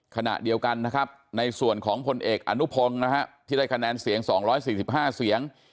ขณะเดียวกันนะครับในส่วนของพลเอกอนุพงศ์นะฮะที่ได้คะแนนเสียง๒๔๕เสียง